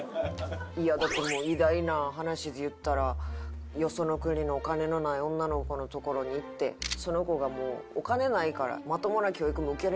いやだってもう偉大な話で言ったらよその国のお金のない女の子のところに行ってその子がお金ないからまともな教育も受けれなくて。